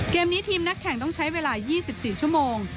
เกมนี้ทีมนักแข่งต้องใช้เวลา๒๔ชั่วโมง